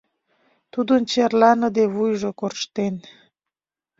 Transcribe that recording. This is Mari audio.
Тудын чарныде вуйжо корштен.